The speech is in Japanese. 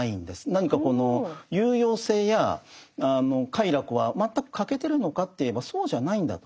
何かこの有用性や快楽は全く欠けてるのかといえばそうじゃないんだと。